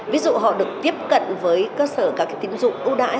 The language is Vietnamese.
ví dụ họ được tiếp cận với cơ sở các tín dụng ưu đãi